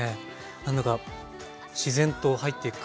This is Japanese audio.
何だか自然と入っていく感じが。